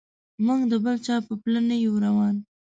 موږ د بل چا په پله نه یو روان.